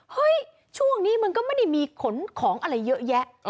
ช่วงนี้มันก็ไม่ได้มีขนของอะไรเยอะแยะ